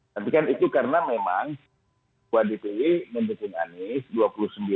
tapi kan itu karena memang wadid iwi mendukung anies